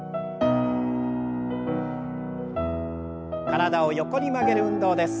体を横に曲げる運動です。